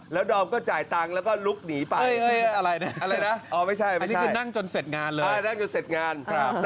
แล้วดอมก็จ่ายตังค์แล้วก็ลุกหนีไปอะไรนะอันนี้คือนั่งจนเสร็จงานเลย